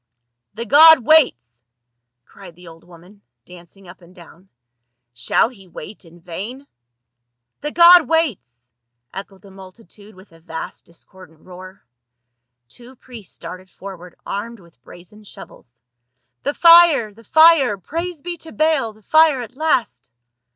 94 PA UL. "The god waits!" cried the old woman, dancing up and down, "Shall he wait in vain?" " The god waits !" echoed the multitude with a vast discordant roar. Two priests darted forward, armed with brazen shovels. " The fire ! the fire ! Praise be to Baal, the fire at last